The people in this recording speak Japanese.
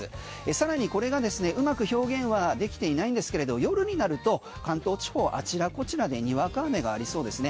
更にこれがですね、うまく表現はできていないんですけれど夜になると関東地方あちらこちらでにわか雨がありそうですね。